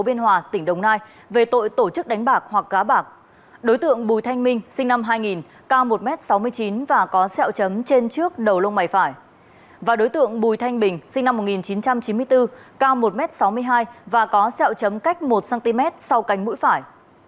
và đối tượng bùi thanh bình sinh năm một nghìn chín trăm chín mươi bốn cao một m sáu mươi hai và có sẹo chấm cách một cm sau cánh mũi phải